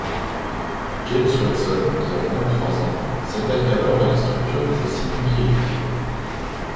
James Watson, qui a vingt-trois ans, s'attaque alors à la structure des acides nucléiques.